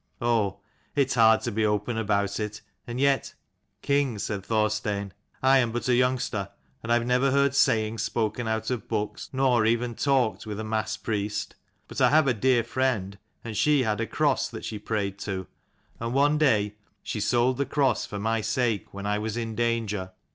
Oh, it is hard to be open about it, and yet "" King," said Thorstein, "I am but a young ster, and I have never heard sayings spoken out of books, nor even talked with a mass priest. But I have a dear friend, and she had a cross that she prayed to : and one day she sold the 189 cross for my sake when I was in danger.